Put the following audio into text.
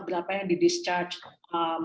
berapa yang di discharge